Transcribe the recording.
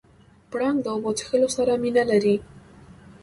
پړانګ د اوبو څښلو سره مینه لري.